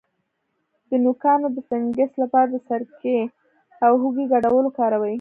د نوکانو د فنګس لپاره د سرکې او هوږې ګډول وکاروئ